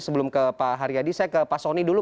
sebelum ke pak haryadi saya ke pak soni dulu